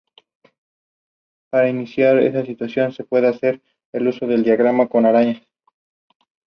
El personaje resultó ser tan popular que Burroughs continuó la serie con nueve secuelas.